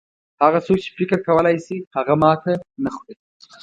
هغه څوک چې فکر کولای شي هغه ماته نه خوري.